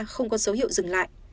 không có dấu hiệu dừng lại